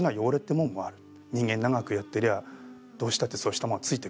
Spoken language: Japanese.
「人間長くやってりゃどうしたってそうしたもんはついてくる」